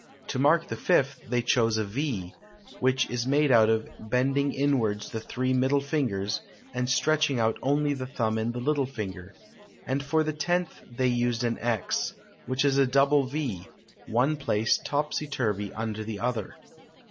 To mark the fifth, they chose a V, which is made out by bending inwards the three middle fingers, and stretching out only the thumb and the little finger; and for the tenth they used an X, which is a double V, one placed topsy turvy under the other.